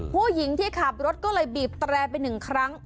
ผู้หญิงที่ขับรถก็เลยบีบแตรไปหนึ่งครั้ง